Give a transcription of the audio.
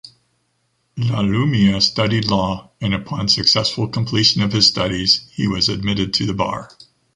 La Lumia studied law, and upon successful completion of his studies, he was admitted to the bar.